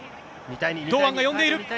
堂安が呼んでいる。